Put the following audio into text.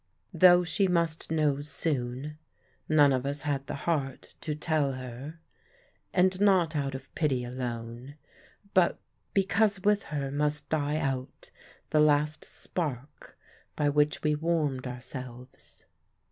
Though she must know soon, none of us had the heart to tell her; and not out of pity alone, but because with her must die out the last spark by which we warmed ourselves.